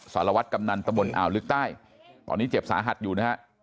สารวัตรกำนันตะบนอ่าวลึกใต้ตอนนี้เจ็บสาหัสอยู่นะฮะ